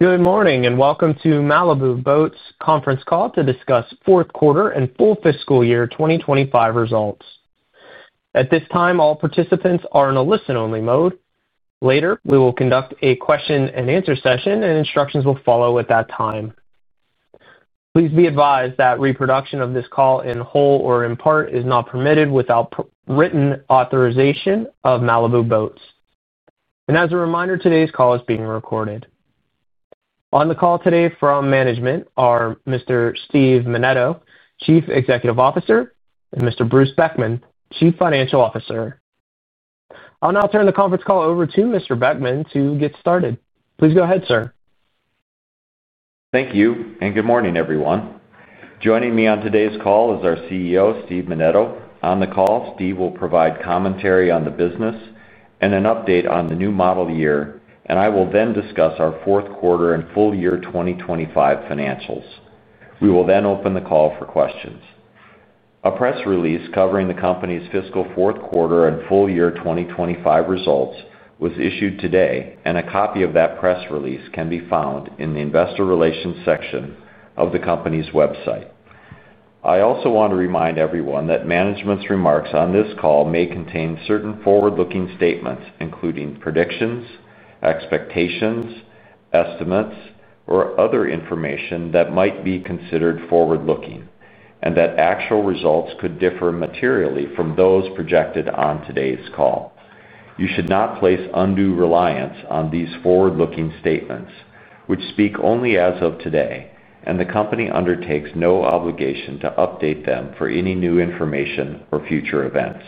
Good morning and welcome to Malibu Boats' Conference Call to discuss Fourth Quarter and Full Fiscal Year 2025 Results. At this time, all participants are in a listen-only mode. Later, we will conduct a question and answer session, and instructions will follow at that time. Please be advised that reproduction of this call in whole or in part is not permitted without written authorization of Malibu Boats. As a reminder, today's call is being recorded. On the call today from management are Mr. Steve Menneto, Chief Executive Officer, and Mr. Bruce Beckman, Chief Financial Officer. I'll now turn the conference call over to Mr. Beckman to get started. Please go ahead, sir. Thank you and good morning, everyone. Joining me on today's call is our CEO, Steve Menneto. On the call, Steve will provide commentary on the business and an update on the new model year, and I will then discuss our fourth quarter and full year 2025 financials. We will then open the call for questions. A press release covering the company's fiscal fourth quarter and full year 2025 results was issued today, and a copy of that press release can be found in the Investor Relations section of the company's website. I also want to remind everyone that management's remarks on this call may contain certain forward-looking statements, including predictions, expectations, estimates, or other information that might be considered forward-looking, and that actual results could differ materially from those projected on today's call. You should not place undue reliance on these forward-looking statements, which speak only as of today, and the company undertakes no obligation to update them for any new information or future events.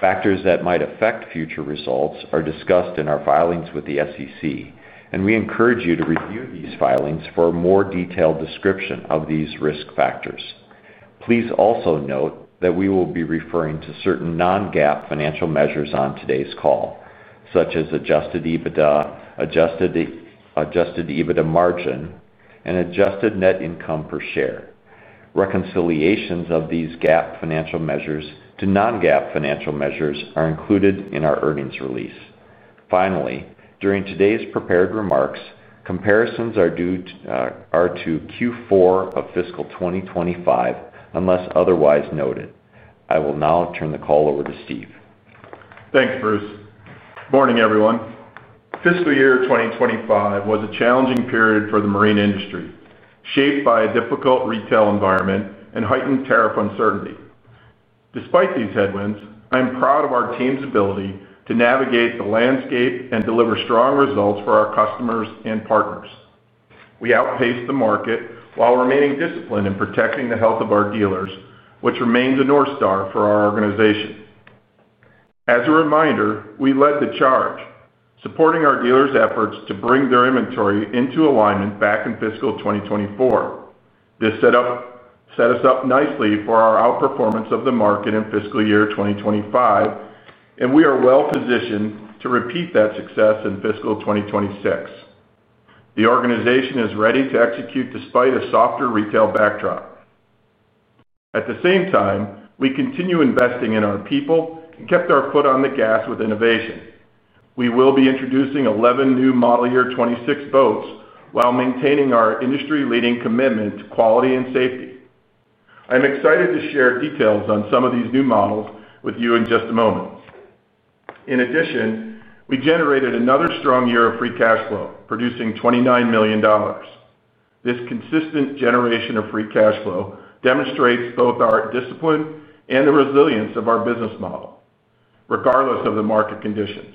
Factors that might affect future results are discussed in our filings with the SEC, and we encourage you to review these filings for a more detailed description of these risk factors. Please also note that we will be referring to certain non-GAAP financial measures on today's call, such as adjusted EBITDA, adjusted EBITDA margin, and adjusted net income per share. Reconciliations of these GAAP financial measures to non-GAAP financial measures are included in our earnings release. Finally, during today's prepared remarks, comparisons are due to Q4 of fiscal 2025 unless otherwise noted. I will now turn the call over to Steve. Thanks, Bruce. Morning, everyone. Fiscal year 2025 was a challenging period for the marine industry, shaped by a difficult retail environment and heightened tariff uncertainty. Despite these headwinds, I am proud of our team's ability to navigate the landscape and deliver strong results for our customers and partners. We outpaced the market while remaining disciplined in protecting the health of our dealers, which remains a North Star for our organization. As a reminder, we led the charge, supporting our dealers' efforts to bring their inventory into alignment back in fiscal 2024. This set us up nicely for our outperformance of the market in fiscal year 2025, and we are well positioned to repeat that success in fiscal 2026. The organization is ready to execute despite a softer retail backdrop. At the same time, we continue investing in our people and kept our foot on the gas with innovation. We will be introducing 11 new model year 2026 boats while maintaining our industry-leading commitment to quality and safety. I'm excited to share details on some of these new models with you in just a moment. In addition, we generated another strong year of free cash flow, producing $29 million. This consistent generation of free cash flow demonstrates both our discipline and the resilience of our business model, regardless of the market conditions.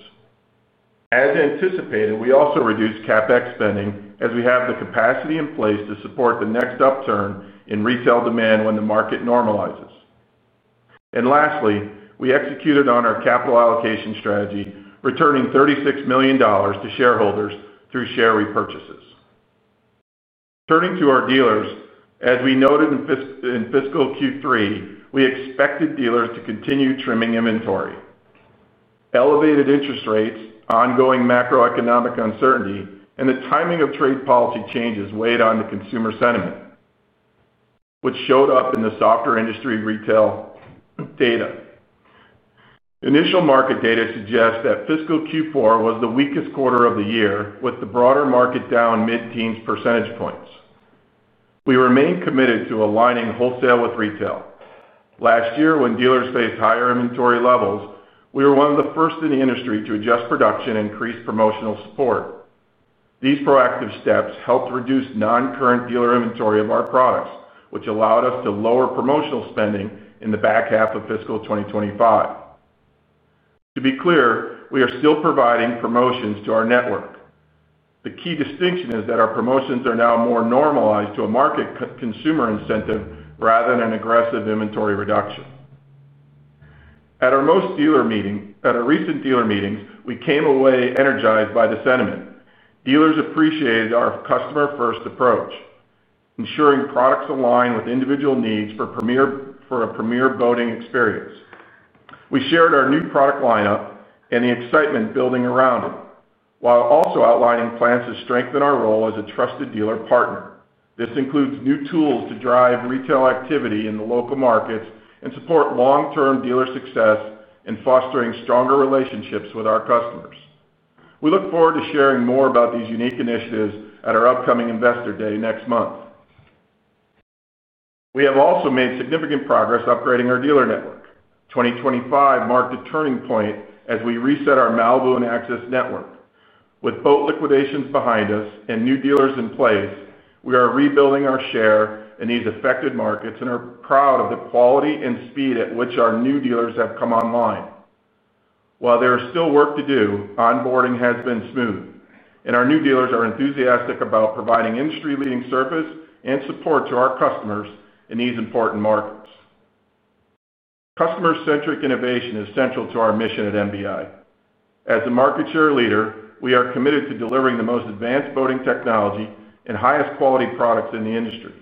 As anticipated, we also reduced CapEx spending as we have the capacity in place to support the next upturn in retail demand when the market normalizes. Lastly, we executed on our capital allocation strategy, returning $36 million to shareholders through share repurchases. Turning to our dealers, as we noted in fiscal Q3, we expected dealers to continue trimming inventory. Elevated interest rates, ongoing macroeconomic uncertainty, and the timing of trade policy changes weighed onto consumer sentiment, which showed up in the softer industry retail data. Initial market data suggests that fiscal Q4 was the weakest quarter of the year, with the broader market down mid-teens percentage points. We remain committed to aligning wholesale with retail. Last year, when dealers faced higher inventory levels, we were one of the first in the industry to adjust production and increase promotional support. These proactive steps helped reduce non-current dealer inventory of our products, which allowed us to lower promotional spending in the back half of fiscal 2025. To be clear, we are still providing promotions to our network. The key distinction is that our promotions are now more normalized to a market consumer incentive rather than an aggressive inventory reduction. At our most dealer meetings, we came away energized by the sentiment. Dealers appreciated our customer-first approach, ensuring products align with individual needs for a premier boating experience. We shared our new product lineup and the excitement building around it, while also outlining plans to strengthen our role as a trusted dealer partner. This includes new tools to drive retail activity in the local markets and support long-term dealer success in fostering stronger relationships with our customers. We look forward to sharing more about these unique initiatives at our upcoming Investor Day next month. We have also made significant progress upgrading our dealer network. 2025 marked a turning point as we reset our Malibu and Axis network. With boat liquidations behind us and new dealers in place, we are rebuilding our share in these affected markets and are proud of the quality and speed at which our new dealers have come online. While there is still work to do, onboarding has been smooth, and our new dealers are enthusiastic about providing industry-leading service and support to our customers in these important markets. Customer-centric innovation is central to our mission at MBI. As a market share leader, we are committed to delivering the most advanced boating technology and highest quality products in the industry.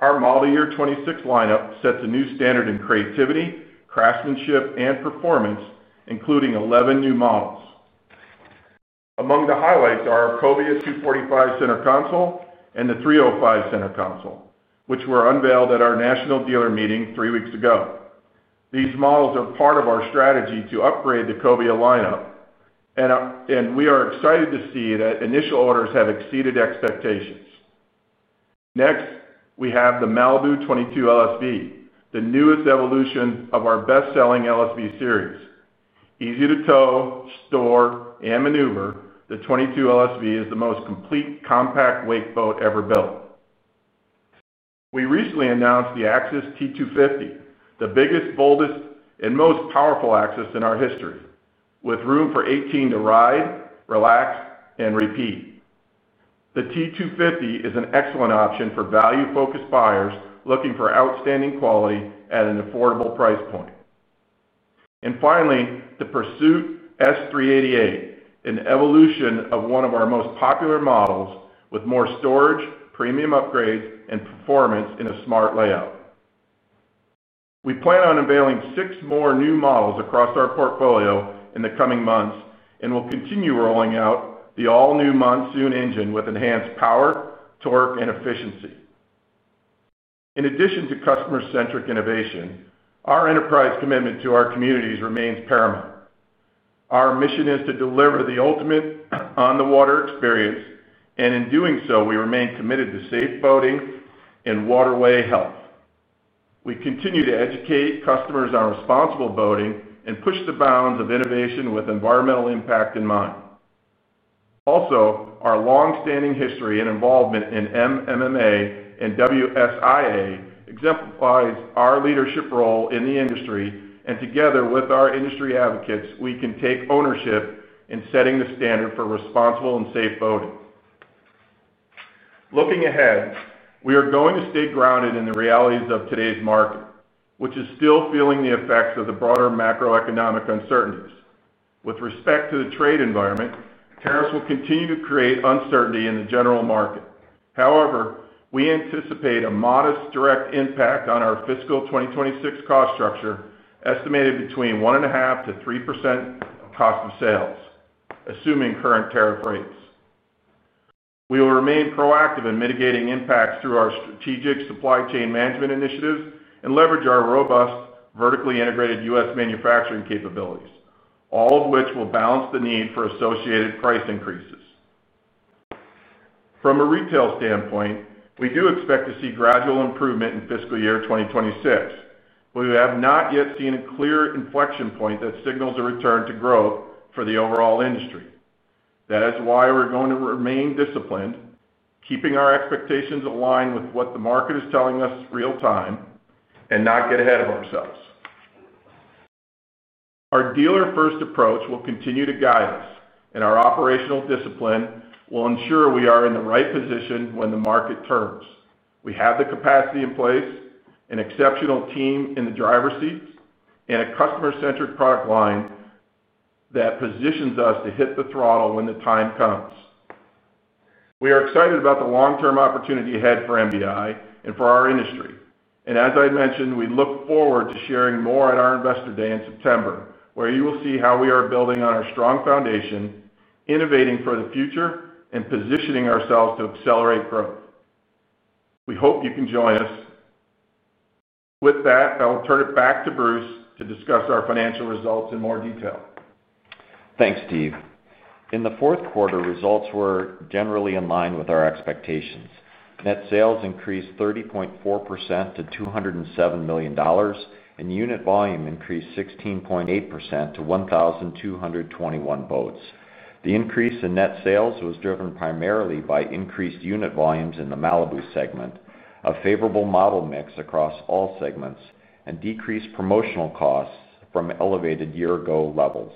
Our Model Year 2026 lineup sets a new standard in creativity, craftsmanship, and performance, including 11 new models. Among the highlights are our Cobia 245 center console and the Cobia 305 center console, which were unveiled at our national dealer meeting three weeks ago. These models are part of our strategy to upgrade the Cobia lineup, and we are excited to see that initial orders have exceeded expectations. Next, we have the Malibu 22 LSV, the newest evolution of our best-selling LSV series. Easy to tow, store, and maneuver, the 22 LSV is the most complete compact weight boat ever built. We recently announced the Access T250, the biggest, boldest, and most powerful Axis in our history, with room for 18 to ride, relax, and repeat. The T250 is an excellent option for value-focused buyers looking for outstanding quality at an affordable price point. Finally, the Pursuit S 388, an evolution of one of our most popular models with more storage, premium upgrades, and performance in a smart layout. We plan on unveiling six more new models across our portfolio in the coming months and will continue rolling out the all-new Monsoon engine with enhanced power, torque, and efficiency. In addition to customer-centric innovation, our enterprise commitment to our communities remains paramount. Our mission is to deliver the ultimate on-the-water experience, and in doing so, we remain committed to safe boating and waterway health. We continue to educate customers on responsible boating and push the bounds of innovation with environmental impact in mind. Also, our longstanding history and involvement in MMA and WSIA exemplifies our leadership role in the industry, and together with our industry advocates, we can take ownership in setting the standard for responsible and safe boating. Looking ahead, we are going to stay grounded in the realities of today's market, which is still feeling the effects of the broader macroeconomic uncertainties. With respect to the trade environment, tariffs will continue to create uncertainty in the general market. However, we anticipate a modest direct impact on our fiscal 2026 cost structure, estimated between 1.5%-3% of cost of sales, assuming current tariff rates. We will remain proactive in mitigating impacts through our strategic supply chain initiatives and leverage our robust, vertically integrated U.S. manufacturing capabilities, all of which will balance the need for associated price increases. From a retail standpoint, we do expect to see gradual improvement in fiscal year 2026. We have not yet seen a clear inflection point that signals a return to growth for the overall industry. That is why we're going to remain disciplined, keeping our expectations aligned with what the market is telling us real-time, and not get ahead of ourselves. Our dealer-first approach will continue to guide us, and our operational discipline will ensure we are in the right position when the market turns. We have the capacity in place, an exceptional team in the driver's seats, and a customer-centric product line that positions us to hit the throttle when the time comes. We are excited about the long-term opportunity ahead for MBI and for our industry. As I mentioned, we look forward to sharing more at our Investor Day in September, where you will see how we are building on our strong foundation, innovating for the future, and positioning ourselves to accelerate growth. We hope you can join us. With that, I will turn it back to Bruce to discuss our financial results in more detail. Thanks, Steve. In the fourth quarter, results were generally in line with our expectations. Net sales increased 30.4% to $207 million and unit volume increased 16.8% to 1,221 boats. The increase in net sales was driven primarily by increased unit volumes in the Malibu segment, a favorable model mix across all segments, and decreased promotional costs from elevated year-ago levels.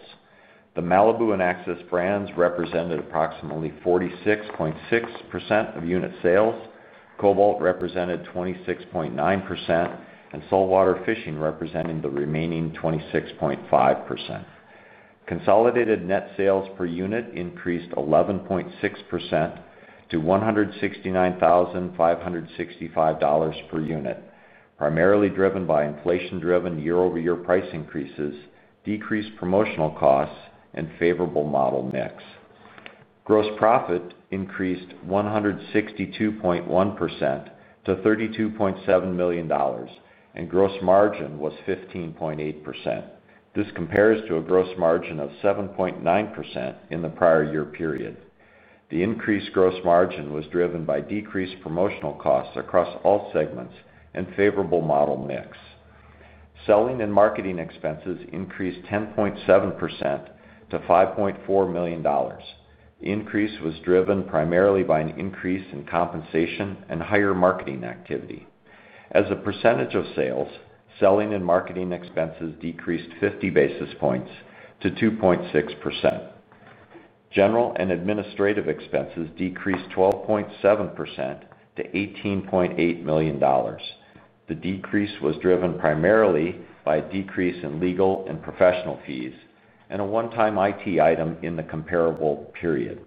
The Malibu and Access brands represented approximately 46.6% of unit sales, Cobalt represented 26.9%, and Saltwater Fishing represented the remaining 26.5%. Consolidated net sales per unit increased 11.6% to $169,565 per unit, primarily driven by inflation-driven year-over-year price increases, decreased promotional costs, and favorable model mix. Gross profit increased 162.1% to $32.7 million, and gross margin was 15.8%. This compares to a gross margin of 7.9% in the prior year period. The increased gross margin was driven by decreased promotional costs across all segments and favorable model mix. Selling and marketing expenses increased 10.7% to $5.4 million. The increase was driven primarily by an increase in compensation and higher marketing activity. As a percentage of sales, selling and marketing expenses decreased 50 basis points to 2.6%. General and administrative expenses decreased 12.7% to $18.8 million. The decrease was driven primarily by a decrease in legal and professional fees and a one-time IT item in the comparable period.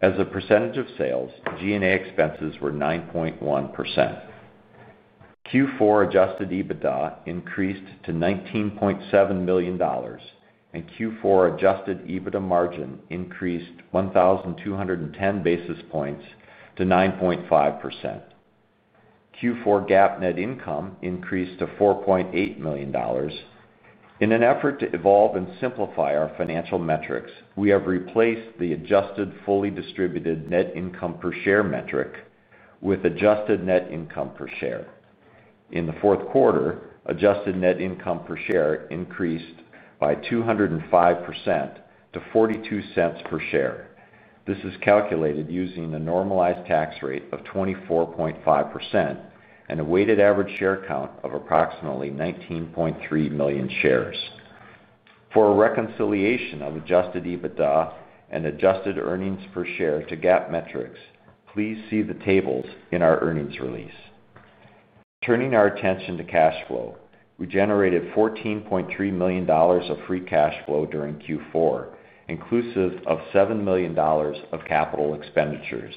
As a percentage of sales, G&A expenses were 9.1%. Q4 adjusted EBITDA increased to $19.7 million, and Q4 adjusted EBITDA margin increased 1,210 basis points to 9.5%. Q4 GAAP net income increased to $4.8 million. In an effort to evolve and simplify our financial metrics, we have replaced the adjusted fully distributed net income per share metric with adjusted net income per share. In the fourth quarter, adjusted net income per share increased by 205% to $0.42 per share. This is calculated using a normalized tax rate of 24.5% and a weighted average share count of approximately 19.3 million shares. For a reconciliation of adjusted EBITDA and adjusted earnings per share to GAAP metrics, please see the tables in our earnings release. Turning our attention to cash flow, we generated $14.3 million of free cash flow during Q4, inclusive of $7 million of capital expenditures.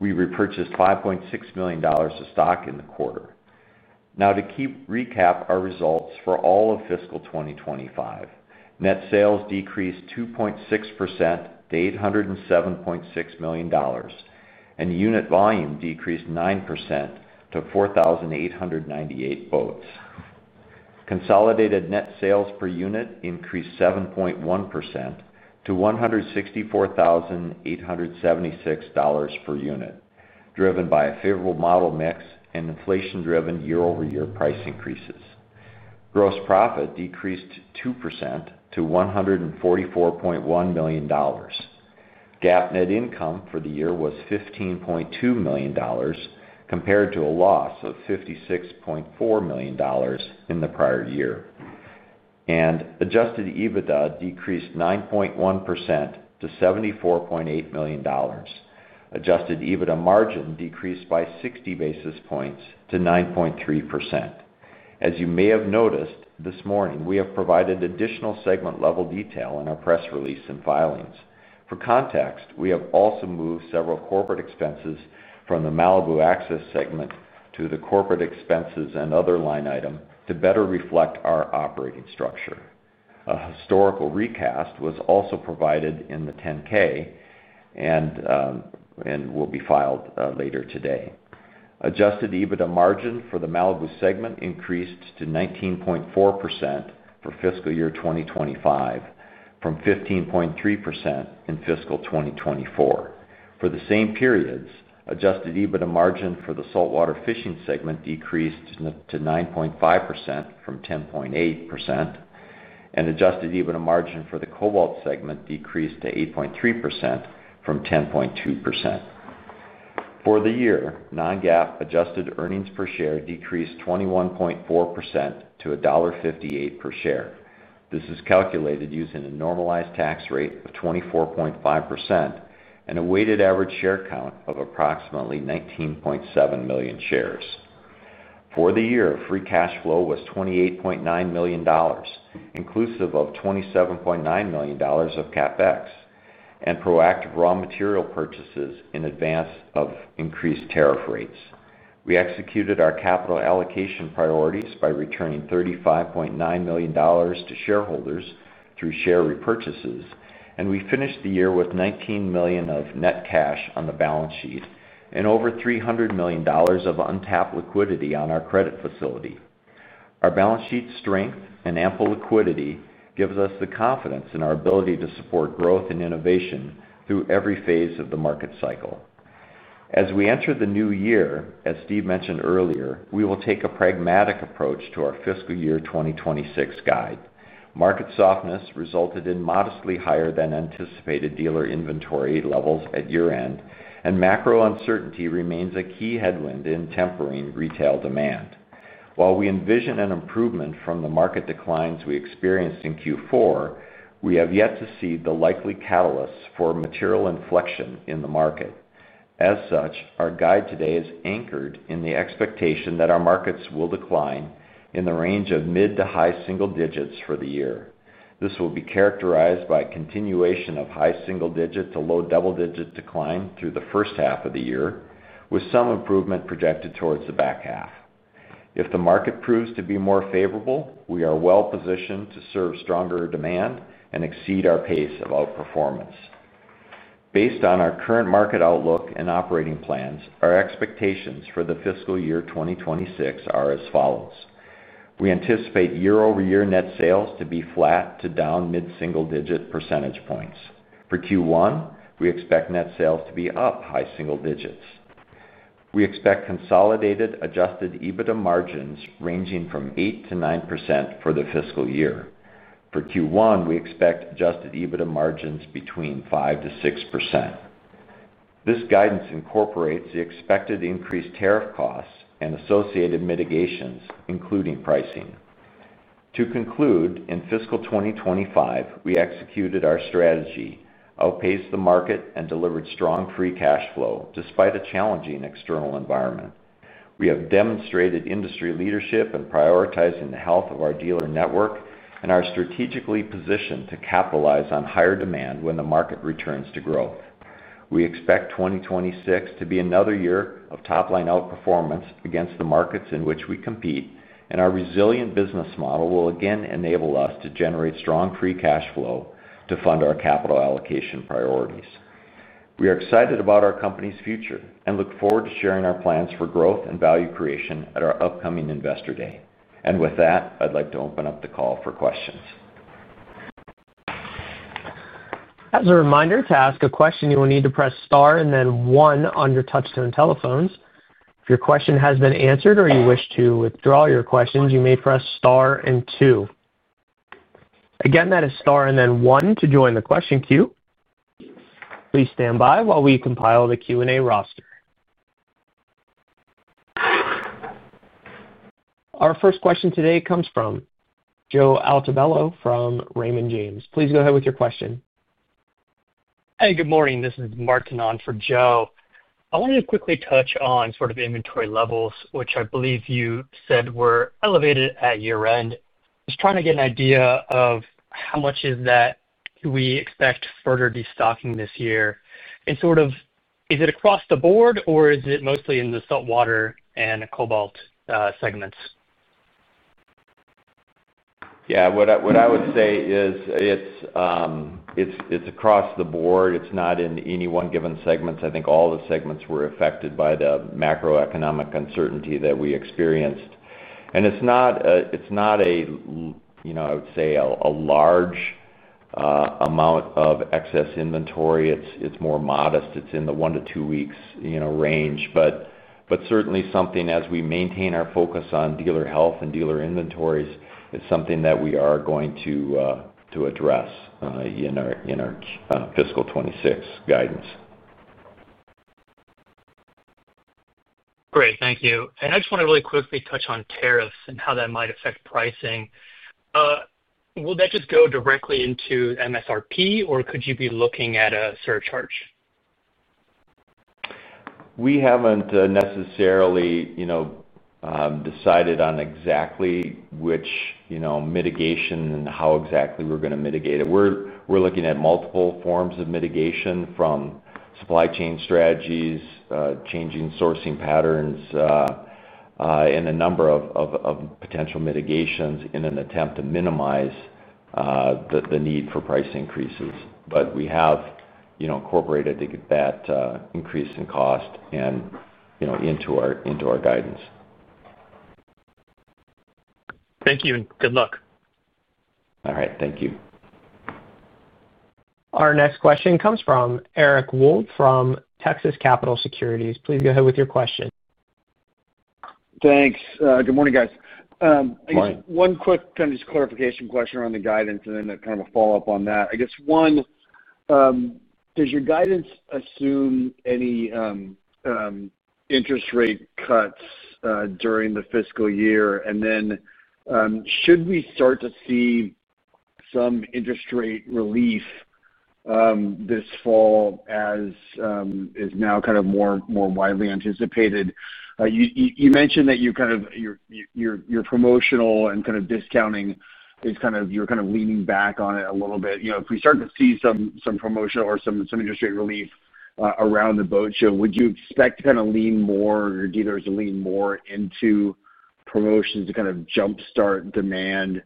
We repurchased $5.6 million of stock in the quarter. Now, to recap our results for all of fiscal 2025: net sales decreased 2.6% to $807.6 million, and unit volume decreased 9% to 4,898 boats. Consolidated net sales per unit increased 7.1% to $164,876 per unit, driven by a favorable model mix and inflation-driven year-over-year price increases. Gross profit decreased 2% to $144.1 million. GAAP net income for the year was $15.2 million, compared to a loss of $56.4 million in the prior year. Adjusted EBITDA decreased 9.1% to $74.8 million. Adjusted EBITDA margin decreased by 60 basis points to 9.3%. As you may have noticed this morning, we have provided additional segment-level detail in our press release and filings. For context, we have also moved several corporate expenses from the Malibu Axis segment to the corporate expenses and other line items to better reflect our operating structure. A historical recast was also provided in the 10K and will be filed later today. Adjusted EBITDA margin for the Malibu segment increased to 19.4% for fiscal year 2025, from 15.3% in fiscal 2024. For the same periods, adjusted EBITDA margin for the Saltwater Fishing segment decreased to 9.5% from 10.8%, and adjusted EBITDA margin for the Cobalt segment decreased to 8.3% from 10.2%. For the year, non-GAAP adjusted earnings per share decreased 21.4% to $1.58 per share. This is calculated using a normalized tax rate of 24.5% and a weighted average share count of approximately 19.7 million shares. For the year, free cash flow was $28.9 million, inclusive of $27.9 million of CapEx and proactive raw material purchases in advance of increased tariff rates. We executed our capital allocation priorities by returning $35.9 million to shareholders through share repurchases, and we finished the year with $19 million of net cash on the balance sheet and over $300 million of untapped liquidity on our credit facility. Our balance sheet strength and ample liquidity give us the confidence in our ability to support growth and innovation through every phase of the market cycle. As we enter the new year, as Steve mentioned earlier, we will take a pragmatic approach to our fiscal year 2026 guide. Market softness resulted in modestly higher than anticipated dealer inventory levels at year-end, and macro uncertainty remains a key headwind in tempering retail demand. While we envision an improvement from the market declines we experienced in Q4, we have yet to see the likely catalysts for material inflection in the market. As such, our guide today is anchored in the expectation that our markets will decline in the range of mid to high single digits for the year. This will be characterized by a continuation of high single-digit to low double-digit decline through the first half of the year, with some improvement projected towards the back half. If the market proves to be more favorable, we are well positioned to serve stronger demand and exceed our pace of outperformance. Based on our current market outlook and operating plans, our expectations for the fiscal year 2026 are as follows: we anticipate year-over-year net sales to be flat to down mid-single-digit percentage points. For Q1, we expect net sales to be up high single digits. We expect consolidated adjusted EBITDA margins ranging from 8%-9% for the fiscal year. For Q1, we expect adjusted EBITDA margins between 5%-6%. This guidance incorporates the expected increased tariff costs and associated mitigations, including pricing. To conclude, in fiscal 2025, we executed our strategy, outpaced the market, and delivered strong free cash flow despite a challenging external environment. We have demonstrated industry leadership in prioritizing the health of our dealer network and are strategically positioned to capitalize on higher demand when the market returns to growth. We expect 2026 to be another year of top-line outperformance against the markets in which we compete, and our resilient business model will again enable us to generate strong free cash flow to fund our capital allocation priorities. We are excited about our company's future and look forward to sharing our plans for growth and value creation at our upcoming Investor Day. I'd like to open up the call for questions. As a reminder, to ask a question, you will need to press star and then one on your touch-tone telephones. If your question has been answered or you wish to withdraw your questions, you may press star and two. Again, that is star and then one to join the question queue. Please stand by while we compile the Q&A roster. Our first question today comes from Joe Altabello from Raymond James. Please go ahead with your question. Hey, good morning. This is Martin Mitela for Joe. I wanted to quickly touch on sort of inventory levels, which I believe you said were elevated at year-end. Just trying to get an idea of how much is that, do we expect further destocking this year? Is it across the board or is it mostly in the saltwater and Cobalt segments? Yeah, what I would say is it's across the board. It's not in any one given segment. I think all the segments were affected by the macroeconomic uncertainty that we experienced. It's not a large amount of excess inventory. It's more modest. It's in the one to two weeks range. Certainly, as we maintain our focus on dealer health and dealer inventories, it is something that we are going to address in our fiscal 2026 guidance. Thank you. I just want to really quickly touch on tariffs and how that might affect pricing. Will that just go directly into MSRP, or could you be looking at a surcharge? We haven't necessarily decided on exactly which mitigation and how exactly we're going to mitigate it. We're looking at multiple forms of mitigation from supply chain strategies, changing sourcing patterns, and a number of potential mitigations in an attempt to minimize the need for price increases. We have incorporated that increase in cost into our guidance. Thank you and good luck. All right, thank you. Our next question comes from Eric Wold from Texas Capital Securities. Please go ahead with your question. Thanks. Good morning, guys. Morning. Just one quick kind of clarification question around the guidance and then a follow-up on that. I guess one, does your guidance assume any interest rate cuts during the fiscal year? Should we start to see some interest rate relief this fall as is now more widely anticipated? You mentioned that your promotional and discounting is kind of, you're leaning back on it a little bit. If we start to see some promotional or some interest rate relief around the boat show, would you expect to lean more or dealers to lean more into promotions to jumpstart demand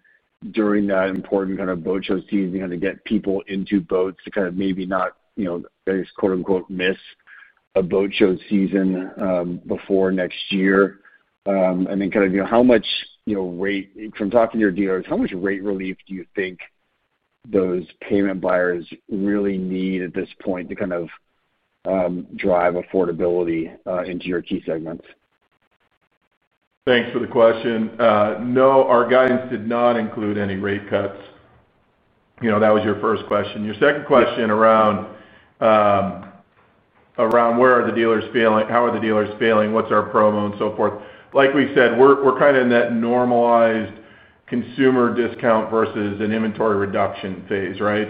during that important boat show season to get people into boats to maybe not, I guess quote unquote, miss a boat show season before next year? How much, from talking to your dealers, how much rate relief do you think those payment buyers really need at this point to drive affordability into your key segments? Thanks for the question. No, our guidance did not include any rate cuts. That was your first question. Your second question around where are the dealers feeling, how are the dealers feeling, what's our promo and so forth. Like we said, we're in that normalized consumer discount versus an inventory reduction phase, right?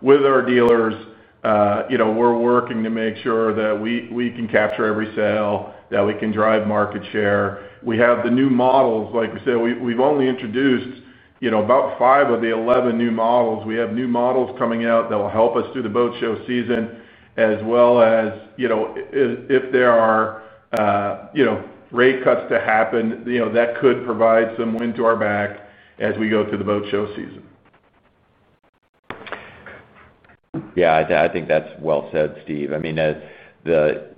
With our dealers, we're working to make sure that we can capture every sale, that we can drive market share. We have the new models, like we said, we've only introduced about five of the 11 new models. We have new models coming out that will help us through the boat show season, as well as, if there are rate cuts to happen, that could provide some wind to our back as we go through the boat show season. Yeah, I think that's well said, Steve. There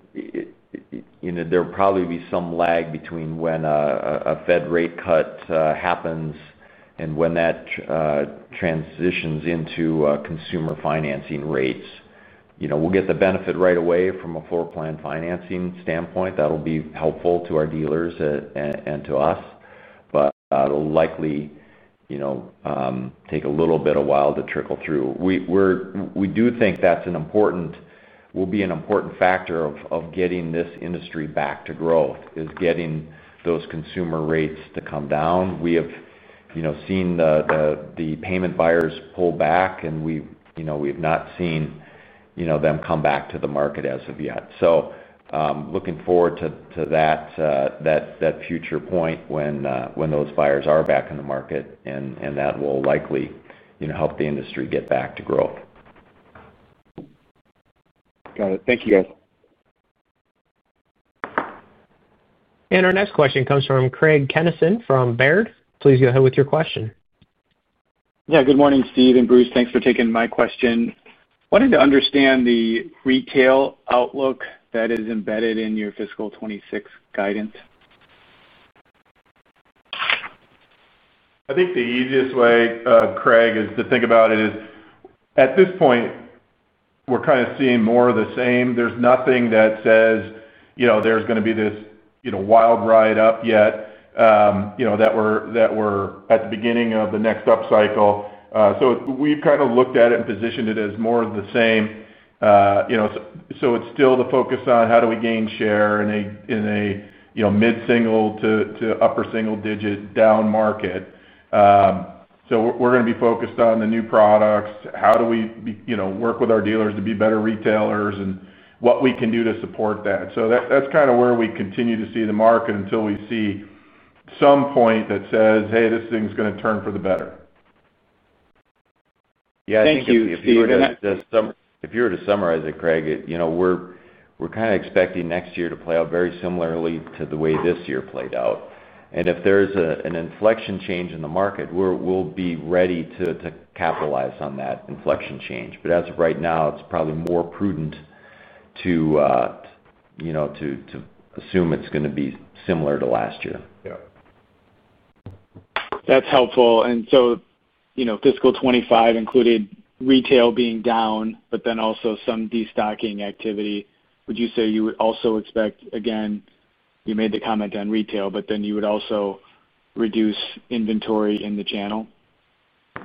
will probably be some lag between when a Fed rate cut happens and when that transitions into consumer financing rates. We'll get the benefit right away from a floor plan financing standpoint. That'll be helpful to our dealers and to us. It'll likely take a little bit of a while to trickle through. We do think that will be an important factor of getting this industry back to growth, getting those consumer rates to come down. We have seen the payment buyers pull back, and we've not seen them come back to the market as of yet. Looking forward to that future point when those buyers are back in the market, that will likely help the industry get back to growth. Got it. Thank you, guys. Our next question comes from Craig Kennison from Baird. Please go ahead with your question. Good morning, Steve and Bruce. Thanks for taking my question. Wanted to understand the retail outlook that is embedded in your fiscal 2026 guidance. I think the easiest way, Craig, is to think about it is at this point, we're kind of seeing more of the same. There's nothing that says there's going to be this wild ride up yet, that we're at the beginning of the next up cycle. We've kind of looked at it and positioned it as more of the same. It's still the focus on how do we gain share in a mid-single to upper single-digit down market. We're going to be focused on the new products. How do we work with our dealers to be better retailers and what we can do to support that? That's kind of where we continue to see the market until we see some point that says, hey, this thing's going to turn for the better. Yeah, I think if you were to summarize it, Craig, you know, we're kind of expecting next year to play out very similarly to the way this year played out. If there's an inflection change in the market, we'll be ready to capitalize on that inflection change. As of right now, it's probably more prudent to, you know, to assume it's going to be similar to last year. Yeah. That's helpful. You know, fiscal 2025 included retail being down, but also some destocking activity. Would you say you would also expect, you made the comment on retail, but you would also reduce inventory in the channel?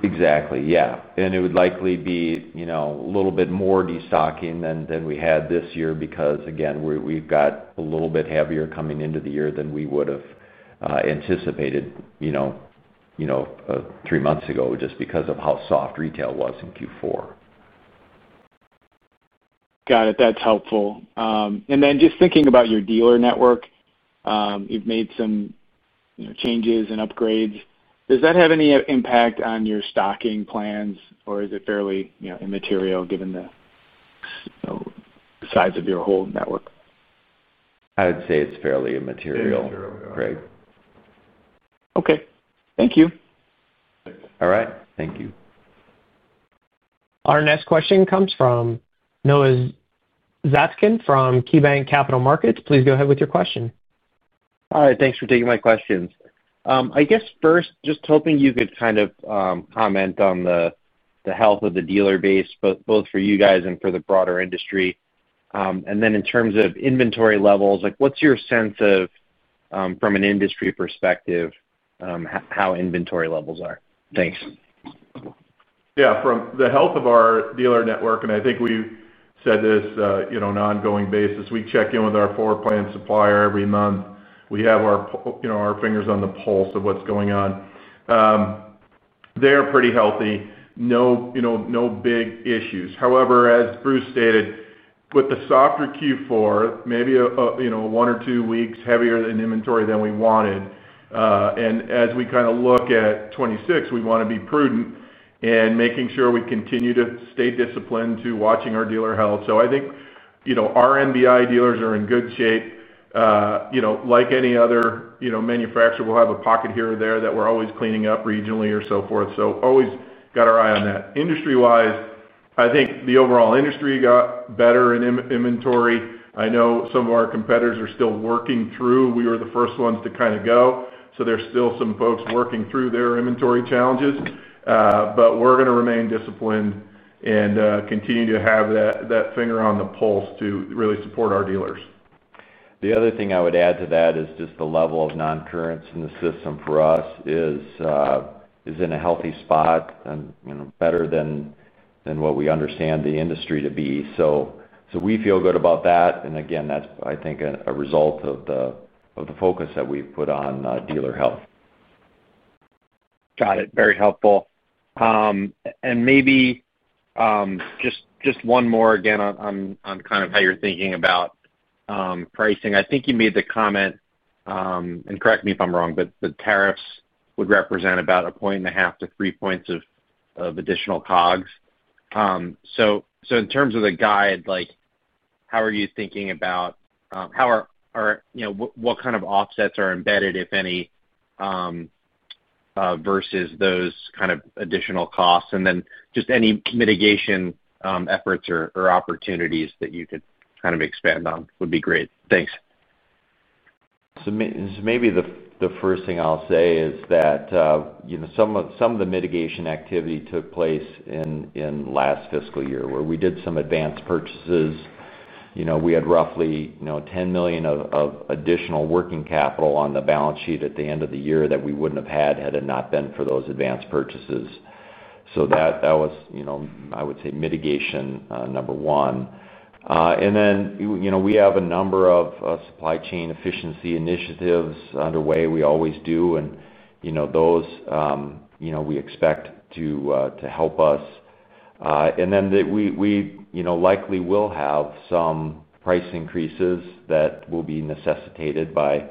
Exactly, yeah. It would likely be, you know, a little bit more destocking than we had this year because, again, we've got a little bit heavier coming into the year than we would have anticipated, you know, three months ago just because of how soft retail was in Q4. Got it. That's helpful. Just thinking about your dealer network, you've made some changes and upgrades. Does that have any impact on your stocking plans, or is it fairly immaterial given the size of your whole network? I'd say it's fairly immaterial, Craig. Okay, thank you. All right, thank you. Our next question comes from Noah Zatzkin from KeyBanc Capital Markets. Please go ahead with your question. All right. Thanks for taking my questions. I guess first, just hoping you could kind of comment on the health of the dealer base, both for you guys and for the broader industry. In terms of inventory levels, what's your sense of, from an industry perspective, how inventory levels are? Thanks. Yeah, from the health of our dealer network, and I think we've said this, on an ongoing basis, we check in with our floor plan supplier every month. We have our fingers on the pulse of what's going on. They're pretty healthy. No big issues. However, as Bruce stated, with the softer Q4, maybe one or two weeks heavier in inventory than we wanted. As we kind of look at 2026, we want to be prudent in making sure we continue to stay disciplined to watching our dealer health. I think our MBI dealers are in good shape. Like any other manufacturer, we'll have a pocket here or there that we're always cleaning up regionally or so forth. Always got our eye on that. Industry-wise, I think the overall industry got better in inventory. I know some of our competitors are still working through. We were the first ones to kind of go. There are still some folks working through their inventory challenges. We're going to remain disciplined and continue to have that finger on the pulse to really support our dealers. The other thing I would add to that is just the level of non-currents in the system for us is in a healthy spot, and, you know, better than what we understand the industry to be. We feel good about that. I think that's a result of the focus that we've put on dealer health. Got it. Very helpful. Maybe just one more again on kind of how you're thinking about pricing. I think you made the comment, and correct me if I'm wrong, but the tariffs would represent about 1.5%-3% of additional COGs. In terms of the guide, how are you thinking about, you know, what kind of offsets are embedded, if any, versus those additional costs? Just any mitigation efforts or opportunities that you could expand on would be great. Thanks. Maybe the first thing I'll say is that some of the mitigation activity took place in last fiscal year where we did some advanced purchases. We had roughly $10 million of additional working capital on the balance sheet at the end of the year that we wouldn't have had if not for those advanced purchases. That was mitigation number one. We have a number of supply chain efficiency initiatives underway. We always do, and those we expect to help us. We likely will have some price increases that will be necessitated by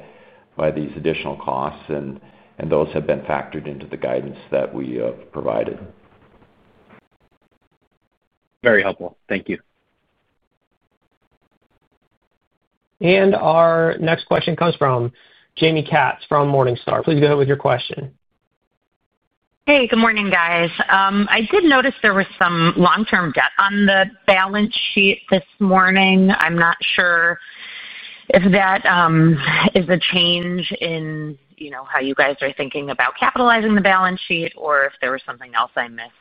these additional costs, and those have been factored into the guidance that we have provided. Very helpful. Thank you. Our next question comes from Jaime Katz from Morningstar. Please go ahead with your question. Hey, good morning, guys. I did notice there was some long-term debt on the balance sheet this morning. I'm not sure if that is a change in how you guys are thinking about capitalizing the balance sheet or if there was something else I missed.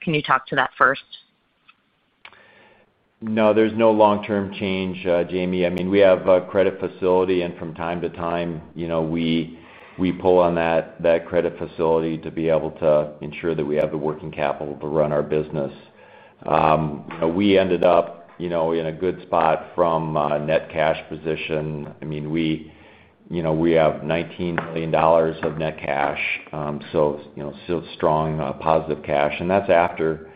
Can you talk to that first? No, there's no long-term change, Jaime. I mean, we have a credit facility. From time to time, we pull on that credit facility to be able to ensure that we have the working capital to run our business. We ended up in a good spot from a net cash position. I mean, we have $19 million of net cash, so strong positive cash. That's after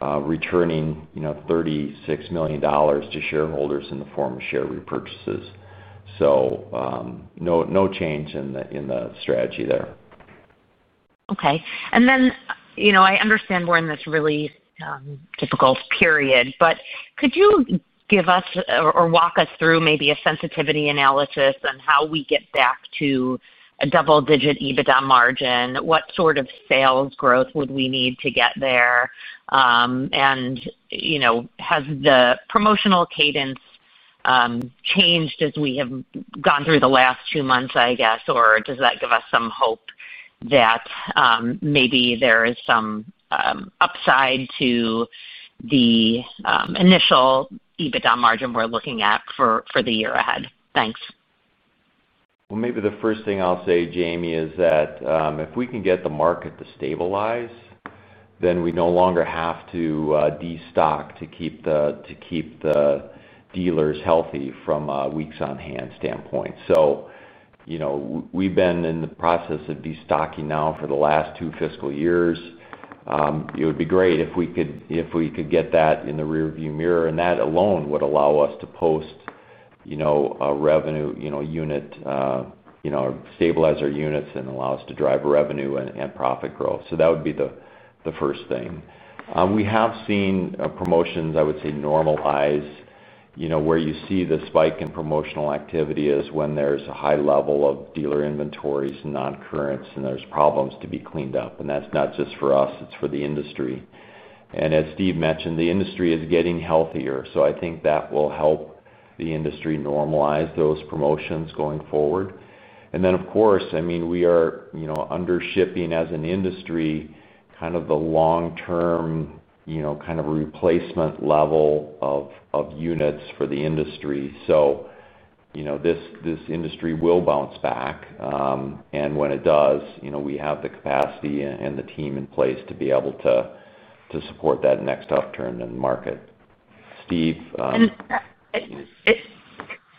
returning $36 million to shareholders in the form of share repurchases. No change in the strategy there. Okay. I understand we're in this really difficult period. Could you give us or walk us through maybe a sensitivity analysis on how we get back to a double-digit adjusted EBITDA margin? What sort of sales growth would we need to get there? Has the promotional cadence changed as we have gone through the last two months, I guess? Does that give us some hope that maybe there is some upside to the initial adjusted EBITDA margin we're looking at for the year ahead? Thanks. Maybe the first thing I'll say, Jaime, is that if we can get the market to stabilize, then we no longer have to destock to keep the dealers healthy from a weeks-on-hand standpoint. We've been in the process of destocking now for the last two fiscal years. It would be great if we could get that in the rearview mirror. That alone would allow us to post a revenue, unit, stabilize our units and allow us to drive revenue and profit growth. That would be the first thing. We have seen promotions, I would say, normalize. Where you see the spike in promotional activity is when there's a high level of dealer inventories and non-currents and there's problems to be cleaned up. That's not just for us. It's for the industry. As Steve mentioned, the industry is getting healthier. I think that will help the industry normalize those promotions going forward. Of course, we are under shipping as an industry, kind of the long-term replacement level of units for the industry. This industry will bounce back. When it does, we have the capacity and the team in place to be able to support that next upturn in the market. Steve. And.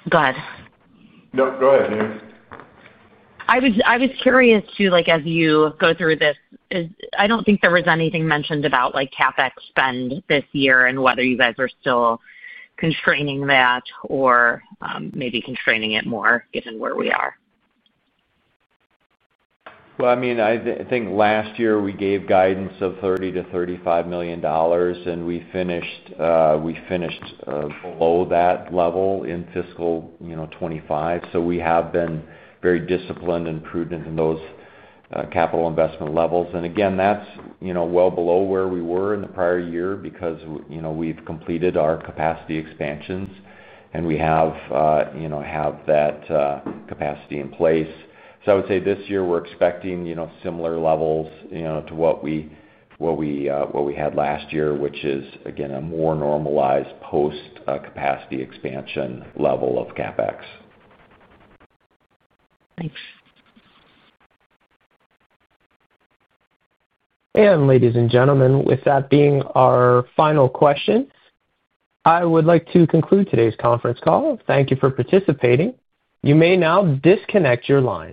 Go ahead. No, go ahead, Jaime. I was curious too, like as you go through this, I don't think there was anything mentioned about CapEx spend this year and whether you guys are still constraining that or maybe constraining it more given where we are. I think last year we gave guidance of $30 million-$35 million, and we finished below that level in fiscal 2025. We have been very disciplined and prudent in those capital investment levels. That's well below where we were in the prior year because we've completed our capacity expansions and we have that capacity in place. I would say this year we're expecting similar levels to what we had last year, which is a more normalized post-capacity expansion level of CapEx. Thanks. Ladies and gentlemen, with that being our final question, I would like to conclude today's conference call. Thank you for participating. You may now disconnect your line.